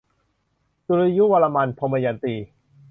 สุริยวรมัน - ทมยันตี